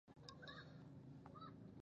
کابل د افغانستان طبعي ثروت دی.